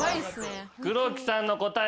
黒木さんの答え